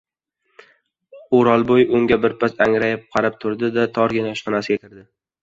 O‘rolboy unga birpas angrayib qarab turdi-da, torgina ishxonasiga kirdi.